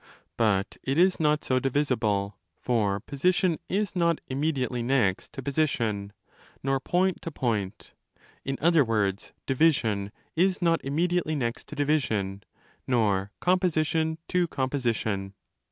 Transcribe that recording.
_ But it is not so divisible: for position is not 'immediately next' to position, nor point to point—in other words, division is not 'immediately next' to division, nor composition to composition.